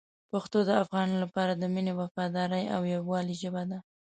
پښتو د افغانانو لپاره د مینې، وفادارۍ او یووالي ژبه ده.